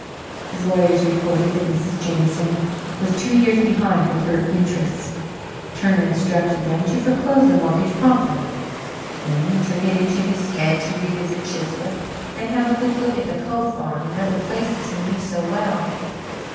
His lawyers reported that Mrs. Jameson was two years behind with her interest. Turner instructed them to foreclose the mortgage promptly. Then he took it into his head to revisit Chiswick and have a good look at the Cove farm and other places he knew so well.